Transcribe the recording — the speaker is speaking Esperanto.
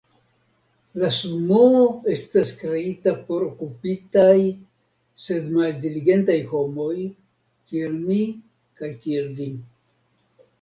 La Sumoo estas kreita por okupitaj, sed maldiligentaj homoj, kiel mi kaj kiel vi.